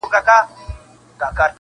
کيسه د بحث مرکز ګرځي تل,